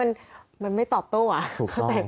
มีคนใจดีก็ตัดสินใจน